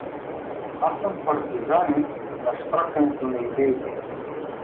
Аз съм партизанин на „щракането на идеите“.